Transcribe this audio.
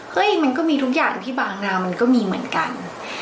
มันก็มีทุกอย่างที่บางนามันก็มีเหมือนกัน